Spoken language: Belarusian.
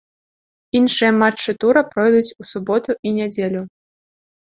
Іншыя матчы тура пройдуць у суботу і нядзелю.